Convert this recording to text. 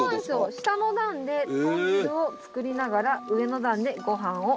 下の段で豚汁を作りながら上の段でご飯を炊きます。